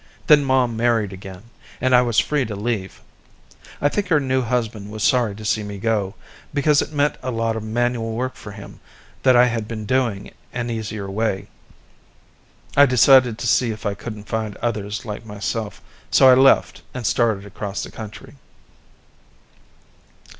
Then Mom married again, and I was free to leave. I think her new husband was sorry to see me go, because it meant a lot of manual work for him that I had been doing an easier way. I decided to see if I couldn't find any others like myself, so I left and started across the country."